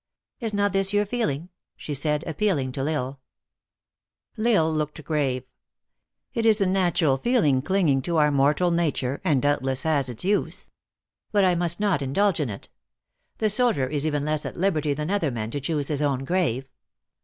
Is not this your feeling?" she said, appealing to L Isle. L Isle looked grave. " It is a natural feeling cling ing to our mortal nature, and doubtless has its use. But I must not indulge it. The soldier is even less at liberty than other men to choose his own grave.